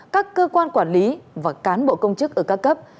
các cơ quan quản lý và cán bộ công chức ở các cấp